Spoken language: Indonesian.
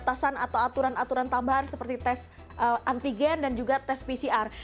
batasan atau aturan aturan tambahan seperti tes antigen dan juga tes pcr